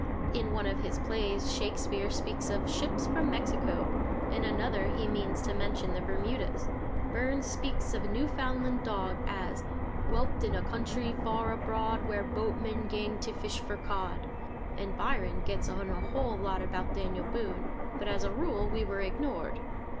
In one of his plays Shakespeare speaks of ships from Mexico; in another he means to mention the Bermudas. Burns speaks of a Newfoundland dog as "Whelped in a country far abroad Where boatmen gang to fish for cod," and Byron gets in a whole lot about Daniel Boone; but as a rule we were ignored.